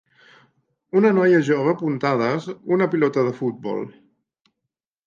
Una noia jove puntades una pilota de futbol